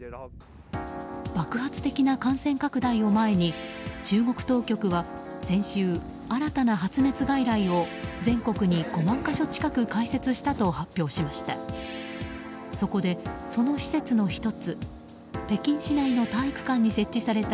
爆発的な感染拡大を前に中国当局は先週、新たな発熱外来を全国に５万か所近く開設したと発表しました。